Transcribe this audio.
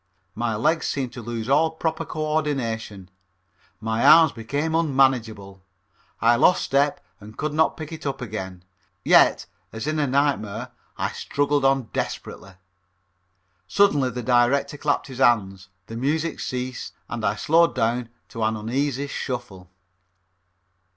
My legs seemed to lose all proper coordination. My arms became unmanageable. I lost step and could not pick it up again, yet, as in a nightmare, I struggled on desperately. Suddenly the director clapped his hands. The music ceased, and I slowed down to an uneasy shuffle.